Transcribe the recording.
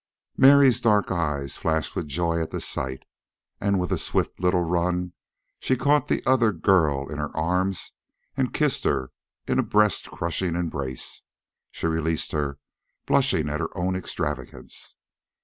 Mary's dark eyes flashed with joy at the sight, and with a swift little run she caught the other girl in her arms and kissed her in a breast crushing embrace. She released her, blushing at her own extravagance.